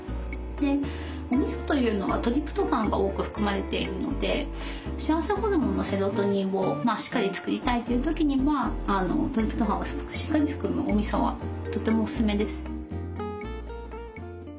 でおみそというのはトリプトファンが多く含まれているので幸せホルモンのセロトニンをしっかり作りたいっていう時にはトリプトファンをしっかり含むおみそはとてもおすすめです。